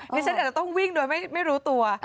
ฉันอาจจะต้องวิ่งโดยไม่รู้ตัว